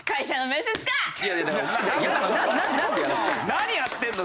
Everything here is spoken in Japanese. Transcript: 何やってんの？